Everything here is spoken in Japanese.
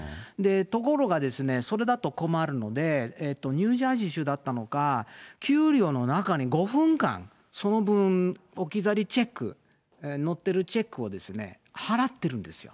ところがですね、それだと困るので、ニュージャージー州だったのか、給料の中に５分間、その分、置き去りチェック、乗ってるチェックを払ってるんですよ。